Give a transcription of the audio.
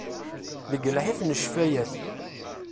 Deg llḥif n ccfayat.